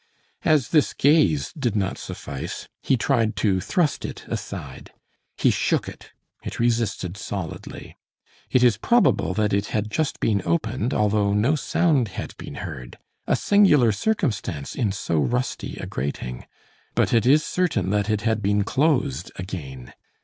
As this gaze did not suffice, he tried to thrust it aside; he shook it, it resisted solidly. It is probable that it had just been opened, although no sound had been heard, a singular circumstance in so rusty a grating; but it is certain that it had been closed again.